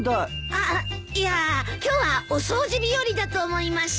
ああいや今日はお掃除日和だと思いまして。